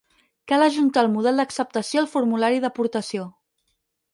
Cal ajuntar el Model d'acceptació al formulari d'aportació.